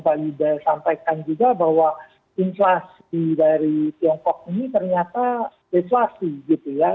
pak ida sampaikan juga bahwa inflasi dari tiongkok ini ternyata deflasi gitu ya